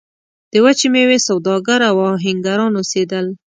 د وچې میوې سوداګر او اهنګران اوسېدل.